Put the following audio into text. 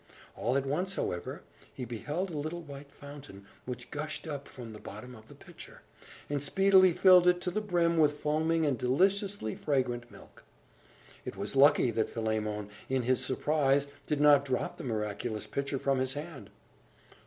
All at once, however, he beheld a little white fountain, which gushed up from the bottom of the pitcher, and speedily filled it to the brim with foaming and deliciously fragrant milk. It was lucky that Philemon, in his surprise, did not drop the miraculous pitcher from his hand.